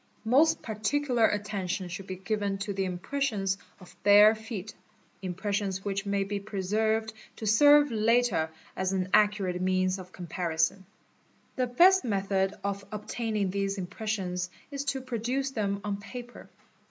4 Most particular attention should be given to the impressions of bai feet, impressions which may be preserved to serve later as an accura METHODS OF OBSERVATION | 489 means of comparison. The best method of obtaining these impressions is to produce them on paper.